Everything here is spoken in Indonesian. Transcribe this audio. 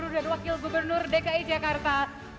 dan wakil gubernur dki jakarta dua ribu tujuh belas